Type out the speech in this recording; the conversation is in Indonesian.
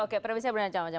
oke premisi bermacam macam